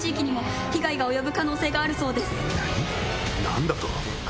何⁉何だと！